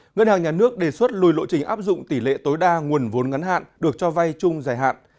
ngân hàng nhà nước đề xuất lùi lộ trình áp dụng tỷ lệ tối đa nguồn vốn ngắn hạn được cho vay chung giải hạn